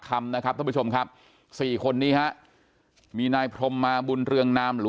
คำนะครับท่านผู้ชมครับสี่คนนี้ฮะมีนายพรมมาบุญเรืองนามหรือ